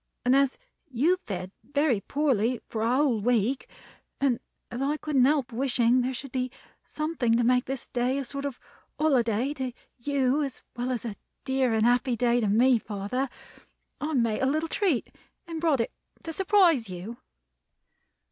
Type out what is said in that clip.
and as you have fared very poorly for a whole week, and as I couldn't help wishing there should be something to make this day a sort of holiday to you as well as a dear and happy day to me, father, I made a little treat and brought it to surprise you."